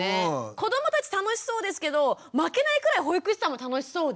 子どもたち楽しそうですけど負けないくらい保育士さんも楽しそうで。